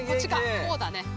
こうだね。